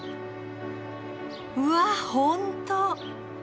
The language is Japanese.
うわぁ本当！